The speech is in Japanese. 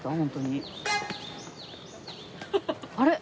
あれ？